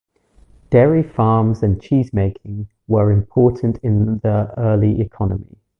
Dairy farms and cheesemaking were important in the early economy.